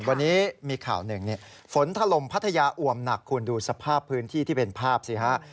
วันนี้มีข่าวหนึ่งฝนถล่มพัทยาอวมหนักคุณดูสภาพพื้นที่ที่เป็นภาพสิฮะ